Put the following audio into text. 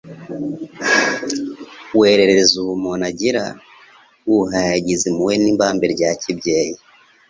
werereza ubumuntu agira, uhayagiza impuhwe n'ibambe rya kibyeyi